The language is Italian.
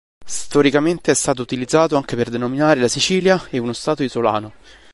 Storicamente è stato utilizzato anche per denominare la Sicilia e uno stato isolano.